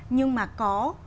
nhưng mà có